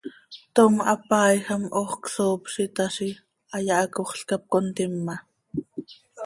Tom hapaaijam hoox csoop z itaazi, hayaa hacoxl cap contima.